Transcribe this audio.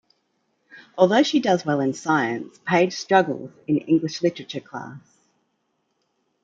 Although she does well in science, Paige struggles in an English literature class.